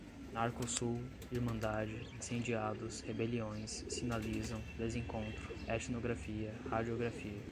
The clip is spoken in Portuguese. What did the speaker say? narcosul, irmandade, incendiados, rebeliões, sinalizam, desencontro, etnografia, radiografia